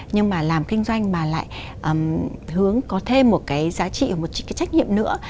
nhưng mà làm kinh doanh mà lại hướng có thêm một cái giá trị một cái trách nhiệm nữa